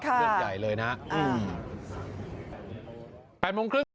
เรื่องใหญ่เลยนะครับ